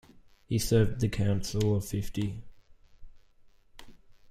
He served on the Council of Fifty.